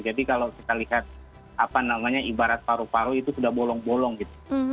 jadi kalau kita lihat apa namanya ibarat paru paru itu sudah bolong bolong gitu